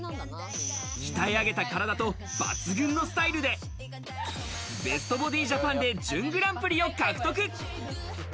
鍛え上げた体と抜群のスタイルでベストボディジャパンで準グランプリを獲得。